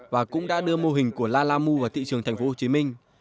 và cũng đã đưa mô hình của lalamu vào thị trường thành phố hồ chí minh